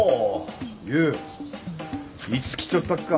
ユウいつ来ちょったっか？